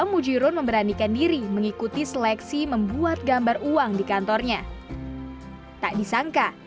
mujirun memberanikan diri mengikuti seleksi membuat gambar uang di kantornya tak disangka